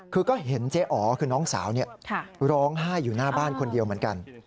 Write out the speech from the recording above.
คือก็เห็นเจ๊อ๋อคือน้องสาวร้องไห้อยู่หน้าบ้านคนเดียวเหมือนกัน